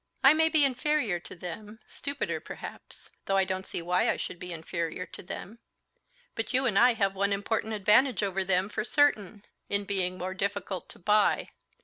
I may be inferior to them, stupider perhaps, though I don't see why I should be inferior to them. But you and I have one important advantage over them for certain, in being more difficult to buy.